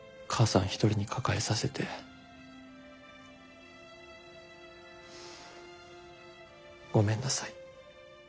一人に抱えさせてごめんなさい。